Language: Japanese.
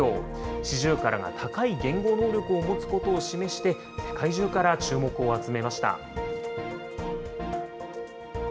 シジュウカラが高い言語能力を持つことを示して、世界中から注目を集めました。